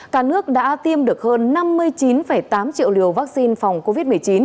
cả nước đã tiêm được hơn năm mươi chín tám triệu liều vaccine phòng covid một mươi chín